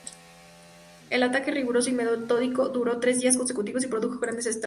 El ataque, riguroso y metódico, duró tres días consecutivos y produjo grandes estragos.